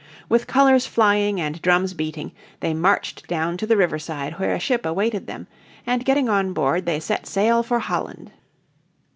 With colours flying and drums beating they marched down to the riverside where a ship awaited them, and getting on board they set sail for Holland.